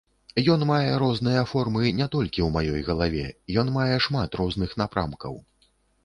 Ён мае розныя формы не толькі ў маёй галаве, ён мае шмат розных напрамкаў.